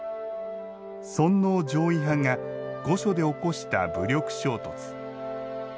尊皇攘夷派が御所で起こした武力衝突。